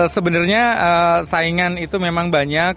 sebenarnya saingan itu memang banyak